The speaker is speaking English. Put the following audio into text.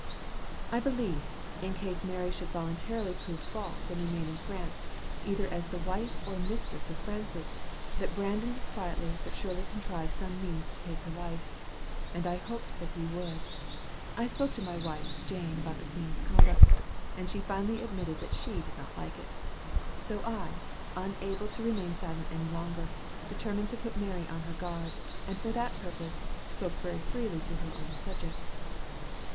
I believed, in case Mary should voluntarily prove false and remain in France, either as the wife or the mistress of Francis, that Brandon would quietly but surely contrive some means to take her life, and I hoped he would. I spoke to my wife, Jane, about the queen's conduct, and she finally admitted that she did not like it; so I, unable to remain silent any longer, determined to put Mary on her guard, and for that purpose spoke very freely to her on the subject.